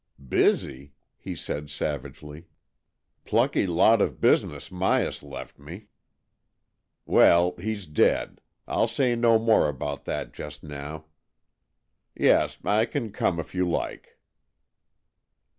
"Busy?" he said savagely. "Plucky lot of business Myas left me ! Well, he's dead. I'll say no more about that just now. Yes, I can come if you like."